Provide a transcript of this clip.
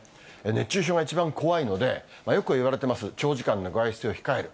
熱中症が一番怖いので、よく言われてます、長時間の外出を控える。